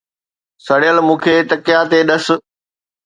سڙيل، مون کي تکيا تي ڏس